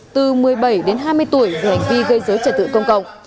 từ một mươi bảy đến hai mươi tuổi về hành vi gây giới trả tự công cộng